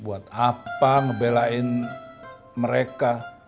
buat apa ngebelain mereka